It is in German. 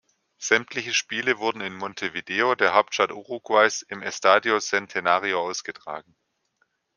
Sämtliche Spiele wurden in Montevideo, der Hauptstadt Uruguays, im Estadio Centenario ausgetragen.